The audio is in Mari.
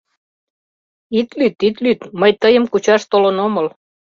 Ит лӱд, ит лӱд: мый тыйым кучаш толын омыл.